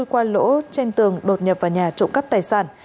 qua lỗ trên tường đột nhập vào nhà trộm cắp tài sản